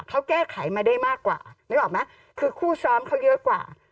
เขาแก้ไขมาได้มากกว่านึกออกไหมคือคู่ซ้อมเขาเยอะกว่า